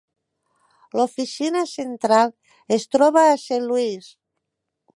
L'oficina central es troba a Saint Louis.